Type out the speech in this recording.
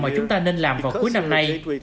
mà chúng ta nên làm vào cuối năm nay